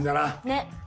ねっ。